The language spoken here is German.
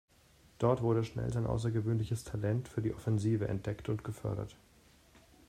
Dort wurde schnell sein außergewöhnliches Talent für die Offensive entdeckt und gefördert.